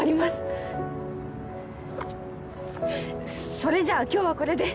それじゃ今日はこれで。